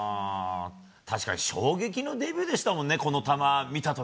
確かに衝撃のデビューでしたもんね。